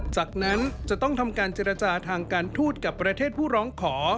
จากนั้นจะต้องทำการเจรจาทางการทูตกับประเทศผู้ร้องขอ